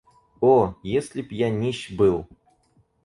О, если б я нищ был!